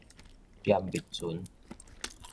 沉沕船